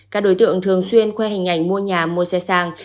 các đối tượng thường xuyên khoe hình ảnh mua nhà mua xe sang